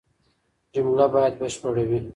جمله بايد بشپړه وي.